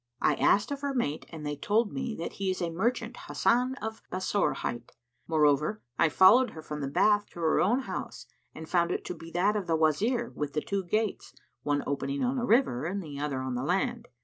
I asked of her mate and they told me that he is a merchant Hasan of Bassorah hight. Moreover, I followed her from the bath to her own house and found it to be that of the Wazir, with the two gates, one opening on the river and the other on the land.